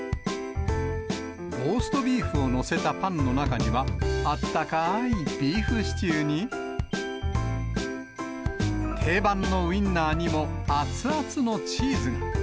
ローストビーフを載せたパンの中には、あったかーいビーフシチューに、定番のウインナーにも熱々のチーズが。